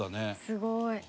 すごい。